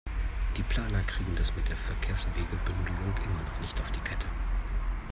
Die Planer kriegen das mit der Verkehrswegebündelung immer noch nicht auf die Kette.